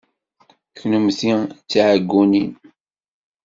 Kennemti d tiɛeggunin.